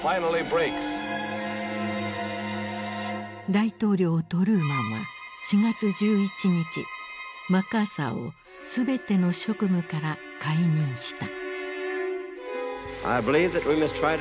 大統領トルーマンは４月１１日マッカーサーをすべての職務から解任した。